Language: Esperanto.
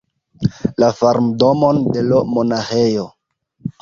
La farmdomon de l' monaĥejo.